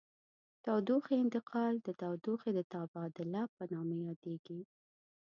تودوخې انتقال د تودوخې د تبادل په نامه یادیږي.